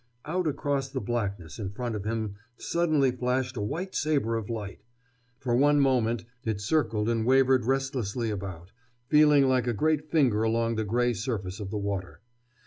Out across the blackness in front of him suddenly flashed a white saber of light. For one moment it circled and wavered restlessly about, feeling like a great finger along the gray surface of the water.